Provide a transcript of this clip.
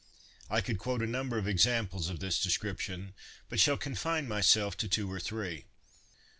I could quote a number of examples of this description, but shall confine myself to two or three.